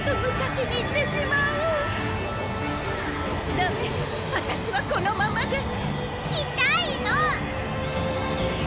ダメワタシはこのままでいたいの。